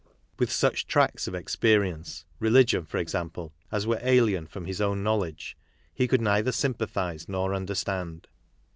With such tracts of experience — religion for example — as were alien from his own knowledge he could neither sympathize, nor understand.